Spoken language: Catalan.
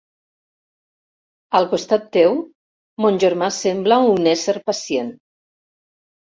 Al costat teu, mon germà sembla un ésser pacient.